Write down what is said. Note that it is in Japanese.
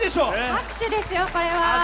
拍手ですよ、これは。